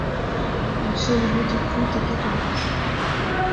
Le seul lieu de culte est catholique.